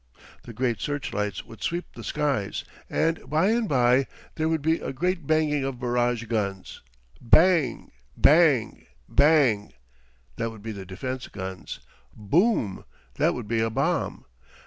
The great search lights would sweep the skies, and by and by there would be a great banging of barrage guns. Bang, bang, bang that would be the defense guns. Boom! That would be a bomb.